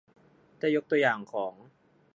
ได้ยกตัวอย่างของ